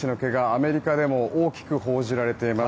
アメリカでも大きく報じられています。